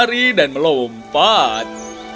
dekat ke camit